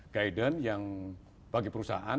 guidance yang bagi perusahaan